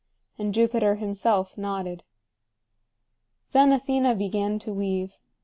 And Jupiter himself nodded. Then Athena began to weave.